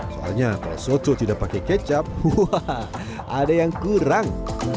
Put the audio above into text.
soalnya kalau soto tidak pakai kecap ada yang kurang